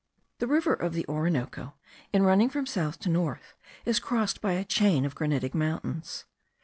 The river of the Orinoco, in running from south to north, is crossed by a chain of granitic mountains.